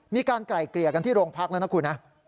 มีการไกลเกลียร์กันที่โรงพักษณ์แล้วนะคุณนะ